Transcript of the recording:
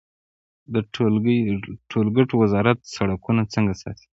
د ټولګټو وزارت سړکونه څنګه ساتي؟